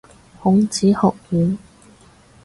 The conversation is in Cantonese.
孔子學院